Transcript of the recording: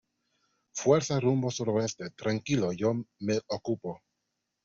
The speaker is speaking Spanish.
fuerza rumbo suroeste. tranquilo, yo me ocupo